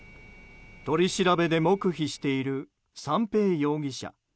取り調べで黙秘している三瓶容疑者。